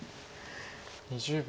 ２０秒。